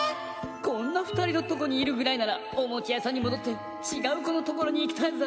「こんなふたりのとこにいるぐらいならおもちゃやさんにもどってちがうこのところにいきたいぜ」。